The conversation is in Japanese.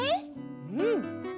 うん。